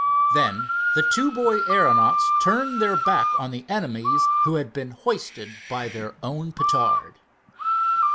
Then the two boy aeronauts turned their back on the enemies who had been hoisted by their own petard.